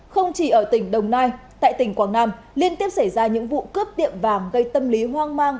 không chỉ ở tỉnh đồng nai tại tỉnh quảng nam liên tiếp xảy ra những vụ cướp tiệm vàng gây tâm lý hoang mang